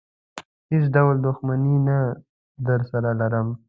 هېڅ ډول دښمني نه درسره لرم.